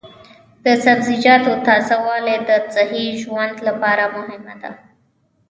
د سبزیجاتو تازه والي د صحي ژوند لپاره مهمه ده.